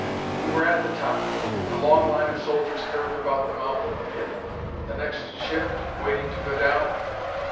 We were at the top. A long line of soldiers curved about the mouth of the pit. The next shift waiting to go down?